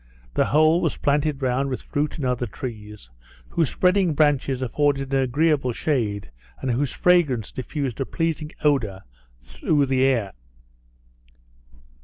The whole was planted round with fruit and other trees, whose spreading branches afforded an agreeable shade, and whose fragrance diffused a pleasing odour through the air.